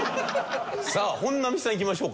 さあ本並さんいきましょうか。